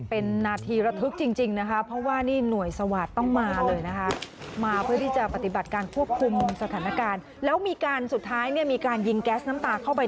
เป็นนาทีระทึกจริงนะคะเพราะว่านี่หน่วยสวาสตร์ต้องมาเลยนะคะมาเพื่อที่จะปฏิบัติการควบคุมสถานการณ์แล้วมีการสุดท้ายเนี่ยมีการยิงแก๊สน้ำตาเข้าไป